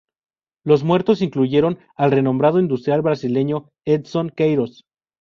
Los muertos incluyeron al renombrado industrial brasileño Edson Queiroz.